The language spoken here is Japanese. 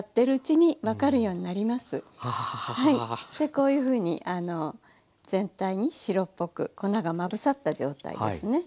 こういうふうに全体に白っぽく粉がまぶさった状態ですね。